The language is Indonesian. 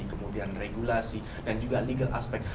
kemudian regulasi dan juga legal aspek